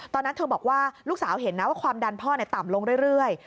ตอนนั้นเธอบอกว่าลูกสาวเห็นนะว่าความดันพ่อต่ำลงเรื่อย